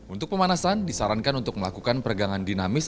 untuk pemanasan disarankan untuk melakukan peregangan dinamis